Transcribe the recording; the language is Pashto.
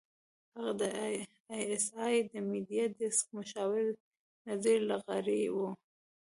هغه د اى ايس اى د میډیا ډیسک مشاور نذیر لغاري وو.